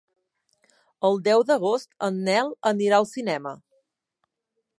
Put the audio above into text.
El deu d'agost en Nel anirà al cinema.